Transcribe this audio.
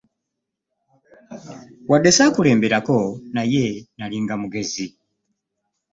Wadde ssaakulemberako naye nalinga mugezi.